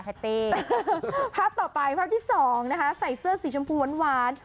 ภาพต่อไปภาพที่สองนะคะใส่เสื้อสีชมพูหวาน